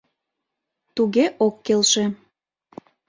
Туге ок келше.